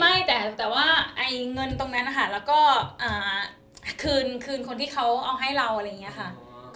ไม่แต่ว่าเงินตรงนั้นนะคะแล้วก็คืนคนที่เขาเอาให้เราอะไรอย่างนี้ค่ะ